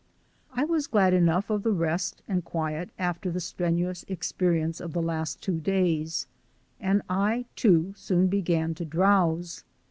I was glad enough of the rest and quiet after the strenuous experience of the last two days and I, too, soon began to drowse.